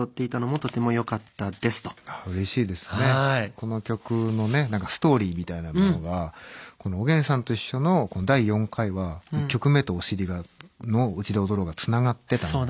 この曲のねストーリーみたいなものがこの「おげんさんといっしょ」の第４回は１曲目とお尻の「うちで踊ろう」がつながってたので。